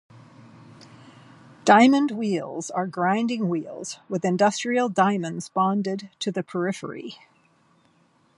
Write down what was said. "Diamond wheels" are grinding wheels with industrial diamonds bonded to the periphery.